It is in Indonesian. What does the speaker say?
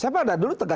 saya pada dulu tegas